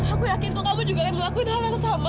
aku yakin kamu juga akan lakuin hal hal sama